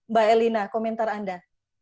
mbak elina komentar anda